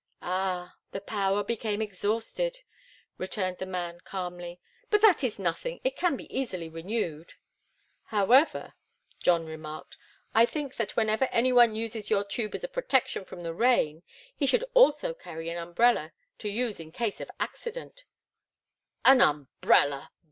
"Ah, the power became exhausted," returned the man, calmly. "But that is nothing. It can be easily renewed." "However," John remarked, "I think that whenever any one uses your tube as a protection from the rain, he should also carry an umbrella to use in case of accident." "An umbrella!